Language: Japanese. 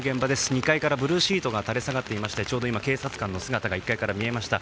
２階からブルーシートが垂れ下がっていましてちょうど今、警察官の姿が１階から見えました。